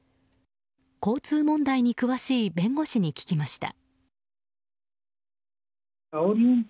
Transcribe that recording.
交通問題に詳しい弁護士に聞きました。